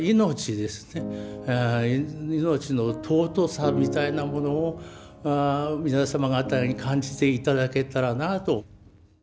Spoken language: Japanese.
命の尊さみたいなものを皆様方に感じていただけたらなと。